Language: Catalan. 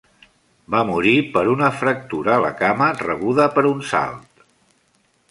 Va morir per una fractura a la cama rebuda per un salt.